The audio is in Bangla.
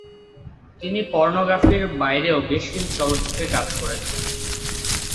তিনি পর্নোগ্রাফির বাইরেও বেশ কিছু চলচ্চিত্রে কাজ করেছেন।